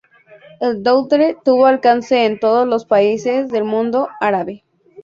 El Doodle tuvo alcance en todos los países del Mundo Árabe.